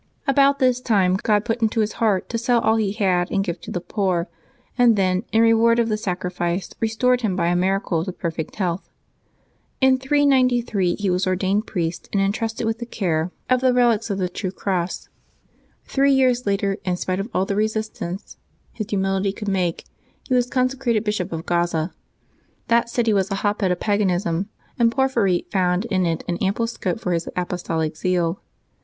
About this time God put it into his heart to sell all he had and give to the poor, and then in reward of the sacrifice restored him by a miracle to perfect health. In 393 he was ordained priest and intrusted with the care 88 LIVES OF THE SAINTS [Febeuaey 27 of the relics of the true cross ; three years later, in spite of all the resistance his humility could make, he was conse crated Bishop of Gaza. That city was a hotbed of pagan ism, and Porphyry found in it an ao^iple scope for his apostolic zeal.